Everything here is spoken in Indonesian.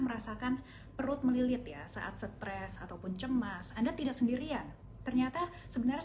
merasakan perut melilit ya saat stres ataupun cemas anda tidak sendirian ternyata sebenarnya